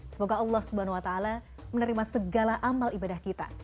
semoga allah swt menerima segala amal ibadah kita